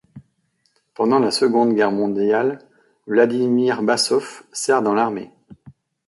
Pendant la Seconde Guerre mondiale, Vladimir Bassov sert dans l'armée.